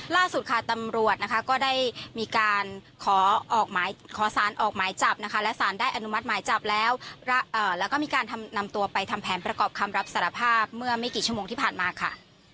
ล่าสุดค่ะตำรวจนะคะก็ได้มีการขอออกหมายขอสารออกหมายจับนะคะและสารได้อนุมัติหมายจับแล้วแล้วก็มีการนำตัวไปทำแผนประกอบคำรับสารภาพเมื่อไม่กี่ชั่วโมงที่ผ่านมาค่ะ